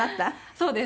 そうです。